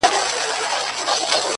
o له دغي لويي وچي وځم؛